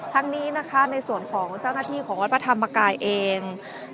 ทั้งนี้นะคะในส่วนของเจ้าหน้าที่ของวัดพระธรรมกายเอง